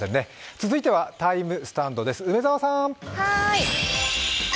続いてはＴＩＭＥスタンドです。